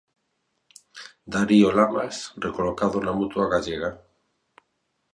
Darío Lamas recolocado na Mutua Gallega.